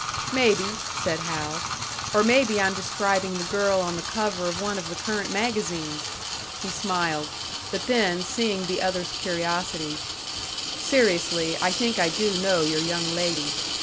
"Maybe," said Hal. "Or maybe I'm describing the girl on the cover of one of the current magazines!" He smiled; but then, seeing the other's curiosity, "Seriously, I think I do know your young lady.